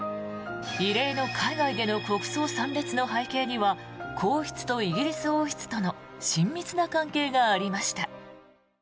異例の海外での国葬参列の背景には皇室とイギリス王室との親密な関係がありました。